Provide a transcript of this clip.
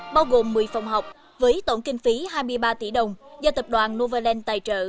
bao gồm một mươi phòng học với tổng kinh phí hai mươi ba tỷ đồng do tập đoàn novaland tài trợ